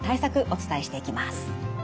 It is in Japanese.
お伝えしていきます。